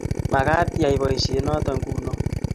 Makat iyai boisiet noto nguno